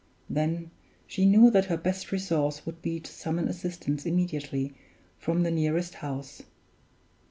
Then she knew that her best resource would be to summon assistance immediately from the nearest house.